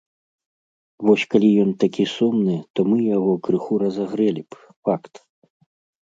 Вось калі ён такі сумны, то мы яго крыху разагрэлі б, факт!